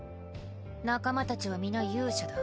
仲間たちは皆勇者だ。